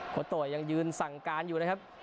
โตยังยืนสั่งการอยู่นะครับ